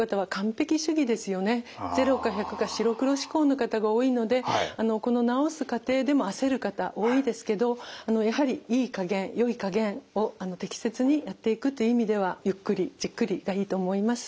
０か１００か白黒思考の方が多いのでこの治す過程でも焦る方多いですけどやはりいいかげんよいかげんを適切にやっていくという意味ではゆっくりじっくりがいいと思います。